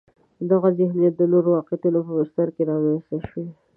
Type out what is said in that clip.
دغه ذهنیت د نورو واقعیتونو په بستر کې رامنځته شوی.